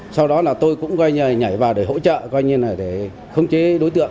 sau đó là tôi cũng nhảy vào để hỗ trợ coi như là để khống chế đối tượng